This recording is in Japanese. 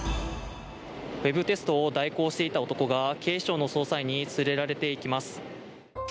ウェブテストを代行していた男が警視庁の捜査員に連れられていきます。